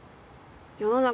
世の中